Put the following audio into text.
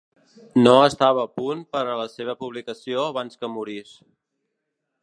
No estava a punt per a la seva publicació abans que morís.